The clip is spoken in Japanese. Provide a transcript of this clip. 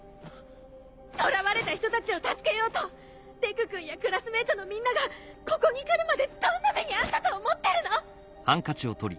捕らわれた人たちを助けようとデク君やクラスメートのみんながここに来るまでどんな目に遭ったと思ってるの！